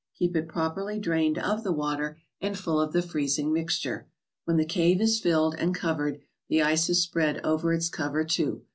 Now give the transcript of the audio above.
Keep it properly drained of the water, and full of the freezing mixture. When the cave is filled and cover¬ ed, the ice is spread over its cover too.